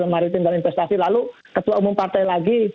maritim dan investasi lalu ketua umum partai lagi